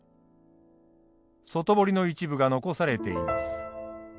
外堀の一部が残されています。